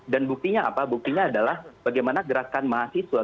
dan buktinya apa buktinya adalah bagaimana gerakan mahasiswa